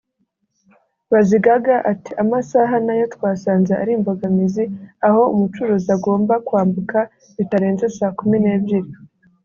Bazigaga ati “Amasaha na yo twasanze ari imbogamizi aho umucuruzi agomba kwambuka bitarenze saa kumi n’ebyiri